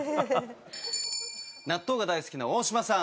納豆が大好きな大島さん